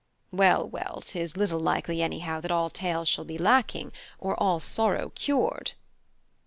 Well, well, 'tis little likely anyhow that all tales shall be lacking, or all sorrow cured."